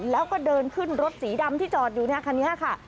แล้วก็เดินขึ้นรถสีดำที่จอดอยู่เนี่ยคันนี้ค่ะ